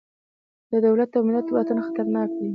د دولت او ملت واټن خطرناک دی.